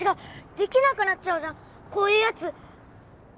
できなくなっちゃうじゃんこういうやつ